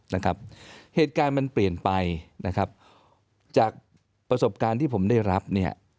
นะครับเหตุการณ์มันเปลี่ยนไปนะครับจากประสบการณ์ที่ผมได้รับเนี่ย